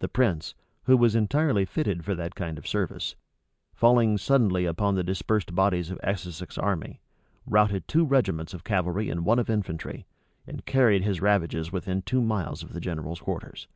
The prince, who was entirely fitted for that kind of service, falling suddenly upon the dispersed bodies of Essex's army, routed two regiments of cavalry and one of infantry, and carried his ravages within two miles of the general's quarters.